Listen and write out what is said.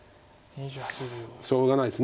しょうがないです。